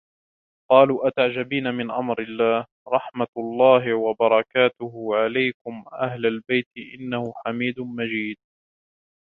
قَالُوا أَتَعْجَبِينَ مِنْ أَمْرِ اللَّهِ رَحْمَتُ اللَّهِ وَبَرَكَاتُهُ عَلَيْكُمْ أَهْلَ الْبَيْتِ إِنَّهُ حَمِيدٌ مَجِيدٌ